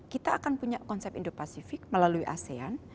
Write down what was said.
kita akan punya konsep indo pasifik melalui asean